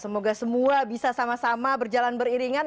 semoga semua bisa sama sama berjalan beriringan